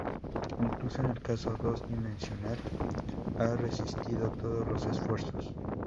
Incluso en el caso dos dimensional ha resistido todos los esfuerzos.